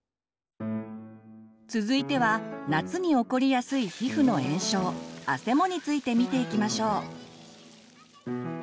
続いては夏に起こりやすい皮膚の炎症「あせも」について見ていきましょう。